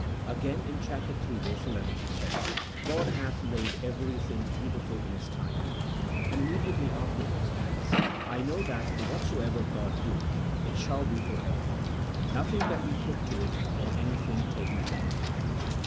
Again in chap. iii. 11, he says, " God hath made everything beautiful in his time," and immediately afterwards adds, " I know that whatsoever God doeth, it shall be for ever ; nothing can be put to it, nor anything taken from it."